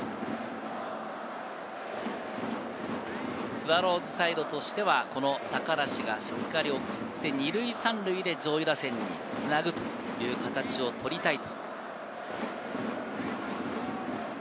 スワローズサイドとしては、高梨がしっかり送って２塁３塁で上位打線につなぐという形をとりたい。